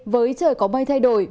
với trời có mây thay đổi